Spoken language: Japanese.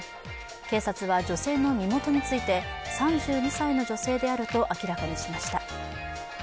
警察は女性のみもとについて３２歳の女性であると明らかにしました。